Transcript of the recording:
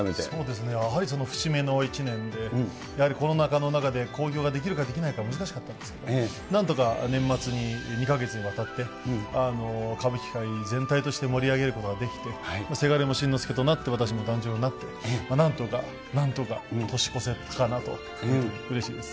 やはり節目の１年で、やはりコロナ禍の中で、興行ができるかできないか、難しかったんですけど、なんとか年末に、２か月にわたって、歌舞伎界全体として盛り上げることができて、せがれも新之助となって、私も團十郎になって、なんとか、なんとか、年越せたかなと、うれしいです。